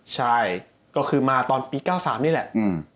ใช่ก็คือมาตอนปี๙๓นี่แหละ